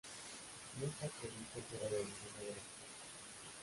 No está previsto el cierre de ninguna de las plantas.